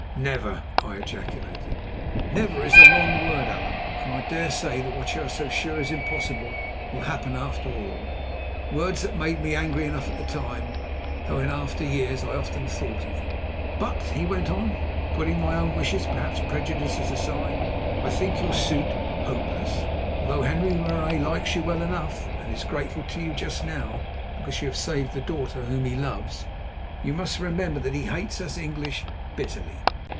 "Never!" I ejaculated. "Never is a long word, Allan, and I dare say that what you are so sure is impossible will happen after all," words that made me angry enough at the time, though in after years I often thought of them. "But," he went on, "putting my own wishes, perhaps prejudices, aside, I think your suit hopeless. Although Henri Marais likes you well enough and is grateful to you just now because you have saved the daughter whom he loves, you must remember that he hates us English bitterly.